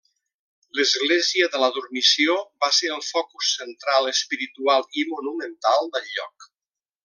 L'Església de la Dormició va ser el focus central espiritual i monumental del lloc.